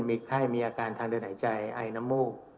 มีไข้มีอาการทางเดินหายใจไอน้ำมูก